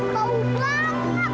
wah bau banget